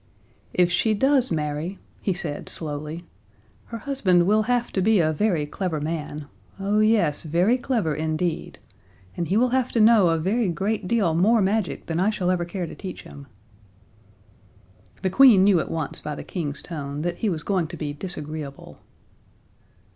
"If she does marry," he said, slowly, "her husband will have to be a very clever man oh, yes, very clever indeed! And he will have to know a very great deal more magic than I shall ever care to teach him." The Queen knew at once by the King's tone that he was going to be disagreeable.